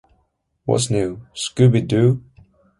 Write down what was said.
What's New, Scooby-Doo?